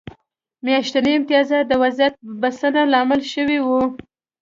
میاشتني امتیازات د وضعیت بسنه لامل شوي وو.